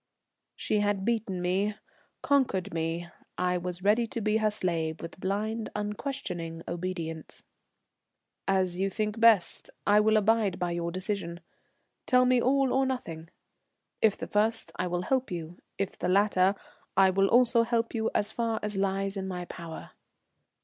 She had beaten me, conquered me. I was ready to be her slave with blind, unquestioning obedience. "As you think best. I will abide by your decision. Tell me all or nothing. If the first I will help you, if the latter I will also help you as far as lies in my power."